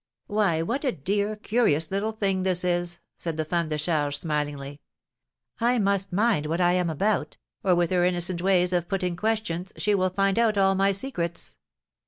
"Why, what a dear, curious little thing this is!" said the femme de charge, smilingly; "I must mind what I am about, or, with her innocent ways of putting questions, she will find out all my secrets!"